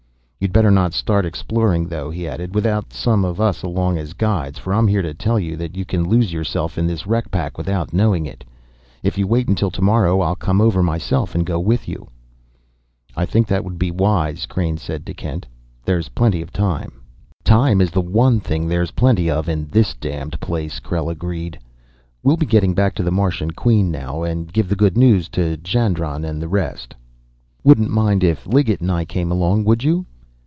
"You'd better not start exploring, though," he added, "without some of us along as guides, for I'm here to tell you that you can lose yourself in this wreck pack without knowing it. If you wait until to morrow, I'll come over myself and go with you." "I think that would be wise," Crain said to Kent. "There is plenty of time." "Time is the one thing there's plenty of in this damned place," Krell agreed. "We'll be getting back to the Martian Queen now and give the good news to Jandron and the rest." "Wouldn't mind if Liggett and I came along, would you?"